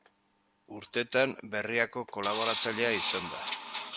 Urtetan Berriako kolaboratzailea izan da.